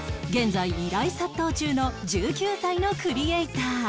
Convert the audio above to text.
現在依頼殺到中の１９歳のクリエイター